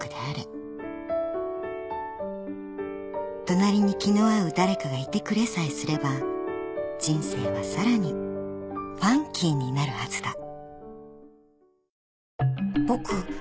［隣に気の合う誰かがいてくれさえすれば人生はさらにファンキーになるはずだ］